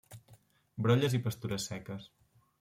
Brolles i pastures seques.